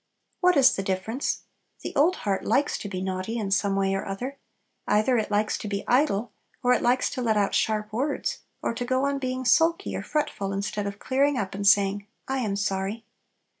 What is the difference? The old heart likes to be naughty in some way or other; either it likes to be idle, or it likes to let out sharp words, or to go on being sulky or fretful instead of clearing up and saying, "I am sorry!"